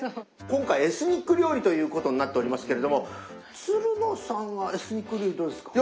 今回エスニック料理ということになっておりますけれどもつるのさんはエスニック料理どうですか？